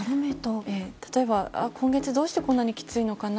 例えば、今月どうしてこんなにきついのかな。